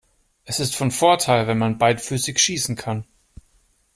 Es ist von Vorteil, wenn man beidfüßig schießen kann.